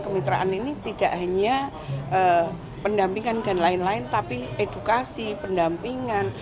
kemitraan ini tidak hanya pendampingan dan lain lain tapi edukasi pendampingan